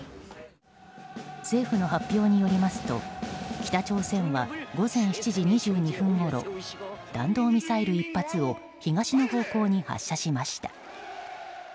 政府の発表によりますと北朝鮮は午前７時２２分ごろ弾道ミサイル１発を東の方向に発射しました。